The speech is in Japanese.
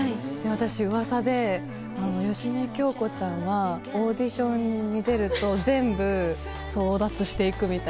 私ウワサで芳根京子ちゃんはオーディションに出ると全部争奪していくみたいな。